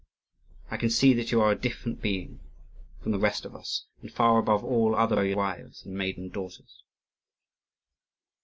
I can see that you are a different being from the rest of us, and far above all other boyars' wives and maiden daughters."